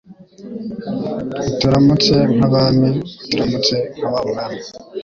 Uturamutse nk'Abami Uturamutse nka wa Mwami,